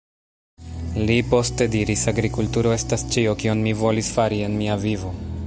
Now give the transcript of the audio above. Li poste diris "agrikulturo estas ĉio kion mi volis fari en mia vivo.